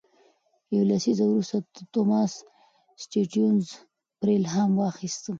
یو لسیزه وروسته توماس سټيونز پرې الهام واخیست.